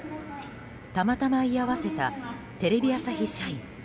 たまたま居合わせたテレビ朝日社員。